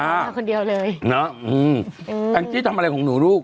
อันนี้ทำอะไรของหนูลูก